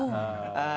ああ。